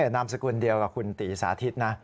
นามสกุลเดียวกับคุณตีสาธิตนะ